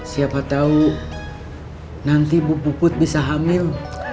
siapa tau nanti bu puput bisa hamil